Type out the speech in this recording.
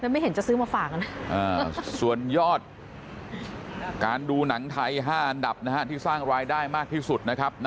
ไม่เห็นจะซื้อมาฝากนะส่วนยอดการดูหนังไทย๕อันดับนะฮะที่สร้างรายได้มากที่สุดนะครับ